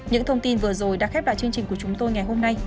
những thông tin vừa rồi đã khép lại chương trình của chúng tôi ngày hôm nay